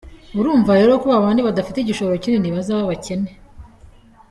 urumva rero ko babandi badafite igishoro kinini bazaba abakene.